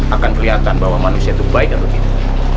akan kelihatan bahwa manusia itu baik atau tidak